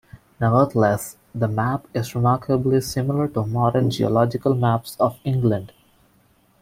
Nevertheless, the map is remarkably similar to modern geological maps of England.